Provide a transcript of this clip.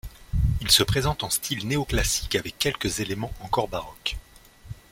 Il se présente en style néoclassique avec quelques éléments encore baroques.